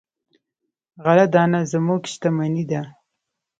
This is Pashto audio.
غله دانه زموږ شتمني ده.